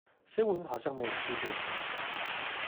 新聞好像沒有著作權